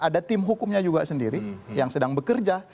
ada tim hukumnya juga sendiri yang sedang bekerja